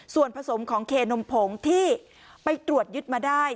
ส่วนผสมของเคนมผงที่ไปตรวจยึดมาได้